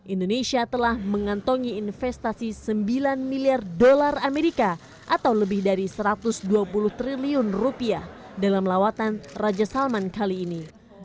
indonesia telah mengantongi investasi sembilan miliar dolar amerika atau lebih dari satu ratus dua puluh triliun rupiah dalam lawatan raja salman kali ini